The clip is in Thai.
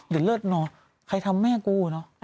เดี๋ยวเลิศนอนใครทำแม่กูเนอะ